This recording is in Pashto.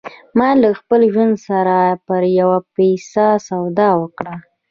ما له خپل ژوند سره پر يوه پيسه سودا وکړه.